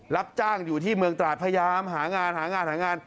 รับจ้างอยู่ที่เมืองตราดพยายามหางานหางานหางาน